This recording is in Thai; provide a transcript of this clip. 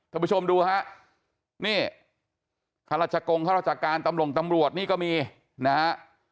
ทุกผู้ชมดูฮะนี่ครรภาชกรงก์ครรภาชการตำรวงตำรวจนี่ก็มีนะฮะ